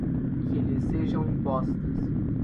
que lhe sejam impostas